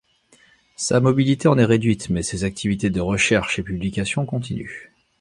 Sa mobilité en est réduite mais ses activités de recherche et publications continuent.